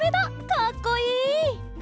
かっこいい！